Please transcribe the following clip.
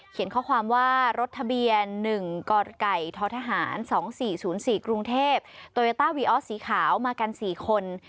ข้อความว่ารถทะเบียน๑กไก่ททหาร๒๔๐๔กรุงเทพโตโยต้าวีออสสีขาวมากัน๔คน